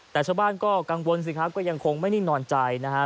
แต่ชาวบ้านก็กังวลสิครับก็ยังคงไม่นิ่งนอนใจนะครับ